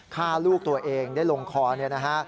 ฆ่าลูกตัวเองได้ลงคอเนี่ยนะฮะ